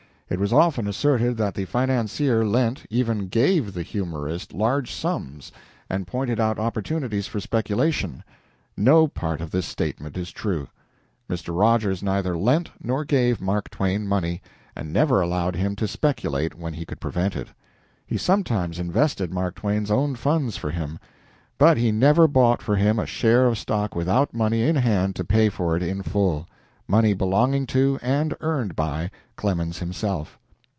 It was often asserted that the financier lent, even gave, the humorist large sums, and pointed out opportunities for speculation. No part of this statement is true. Mr. Rogers neither lent nor gave Mark Twain money, and never allowed him to speculate when he could prevent it. He sometimes invested Mark Twain's own funds for him, but he never bought for him a share of stock without money in hand to pay for it in full money belonging to, and earned by, Clemens himself.